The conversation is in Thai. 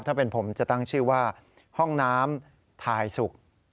ถ้าเป็นผมจะตั้งชื่อว่าห้องน้ำทายสุก